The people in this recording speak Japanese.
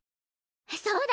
そうだ！